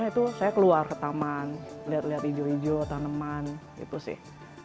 itu saya keluar ke taman lihat lihat hijau hijau tanaman gitu sih